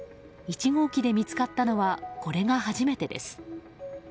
１号機で見つかったのはこれが初めてです。